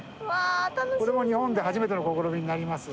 これも日本で初めての試みになります。